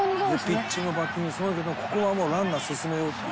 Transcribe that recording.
「ピッチングもバッティングもすごいけどここはランナー進めようという」